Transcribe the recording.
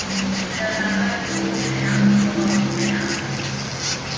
د هغه ټولو شیانو په میان کي